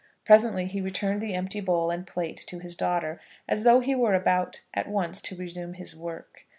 Presently he returned the empty bowl and plate to his daughter, as though he were about at once to resume his work.